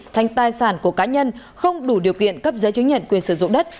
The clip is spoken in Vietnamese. thành tài sản của cá nhân không đủ điều kiện cấp giấy chứng nhận quyền sử dụng đất